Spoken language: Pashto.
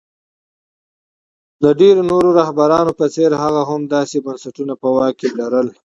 د ډېرو نورو رهبرانو په څېر هغه هم داسې بنسټونه په واک کې لرل.